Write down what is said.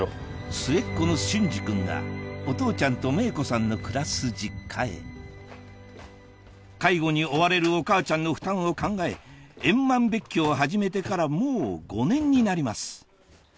末っ子の隼司君がお父ちゃんと芽衣子さんの暮らす実家へ介護に追われるお母ちゃんの負担を考え円満別居を始めてからもう５年になります